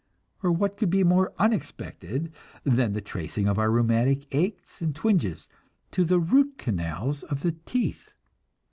Or what could be more unexpected than the tracing of our rheumatic aches and twinges to the root canals of the teeth!